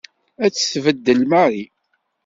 Ad tt-tbeddel Mary.